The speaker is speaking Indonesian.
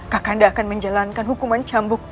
kakanda akan menjalankan hukuman cambuk